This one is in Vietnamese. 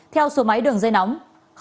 theo số máy đường dây nóng